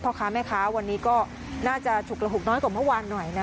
พ่อค้าแม่ค้าวันนี้ก็น่าจะฉุกระหุกน้อยกว่าเมื่อวานหน่อยนะ